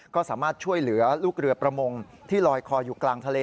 ก็สามารถช่วยเหลือลูกเรือประมงที่ลอยคออยู่กลางทะเล